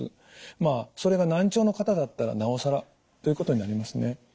まあそれが難聴の方だったらなおさらということになりますね。